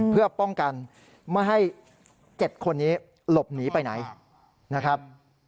เพื่อป้องกันไม่ให้๗คนนี้หลบหนีไปไหนนะครับ